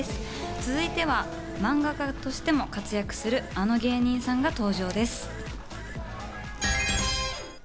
続いては漫画家としても活躍する、あの芸人さんが登場です。